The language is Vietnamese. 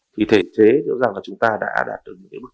thì thể chế nghĩa là chúng ta đã đạt được những bước